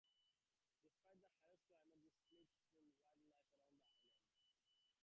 Despite the harsh climate there is plentiful wildlife around the island.